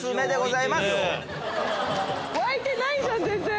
沸いてないじゃん全然。